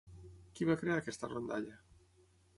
Qui va crear aquesta rondalla?